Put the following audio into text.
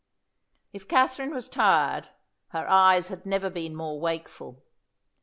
If Katherine was tired, her eyes had never been more wakeful.